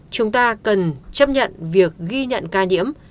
chúng ta cần chấp nhận việc ghi nhận ca nhiễm